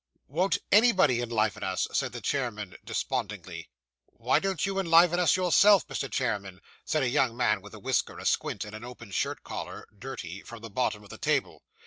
'Won't anybody enliven us?' said the chairman, despondingly. 'Why don't you enliven us yourself, Mr. Chairman?' said a young man with a whisker, a squint, and an open shirt collar (dirty), from the bottom of the table.